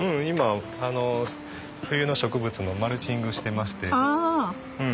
今冬の植物のマルチングしてまして。